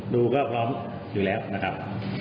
ดูก็พร้อมอยู่แล้วนะครับ